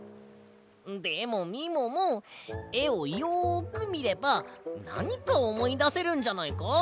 でもみももえをよくみればなにかおもいだせるんじゃないか？